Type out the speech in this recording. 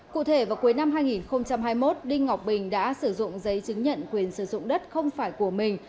cụ thể vào cuối năm hai nghìn hai mươi một đinh ngọc bình đã sử dụng giấy chứng nhận quyền sử dụng đất không phải của mình